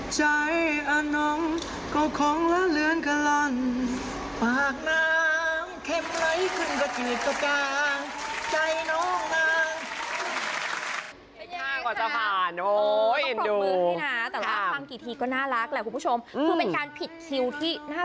ใจอ่อนหน่องก่อของแล้วเลือนกะล่ำ